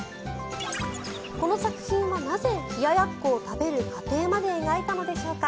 この作品はなぜ冷ややっこを食べる過程まで描いたのでしょうか。